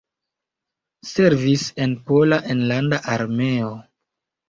Servis en Pola Enlanda Armeo.